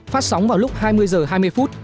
phát sóng vào lúc hai mươi h hai mươi phút